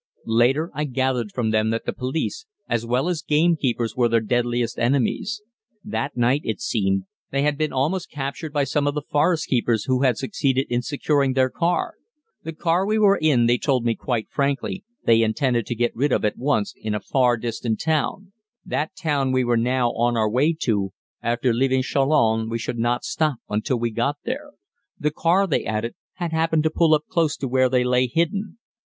Later I gathered from them that the police, as well as gamekeepers, were their deadliest enemies. That night, it seemed, they had been almost captured by some of the forest keepers, who had succeeded in securing their car. The car we were in, they told me quite frankly, they intended to get rid of at once, in a far distant town. That town we were now on our way to after leaving Chalons we should not stop until we got there. The car, they added, had happened to pull up close to where they lay hidden.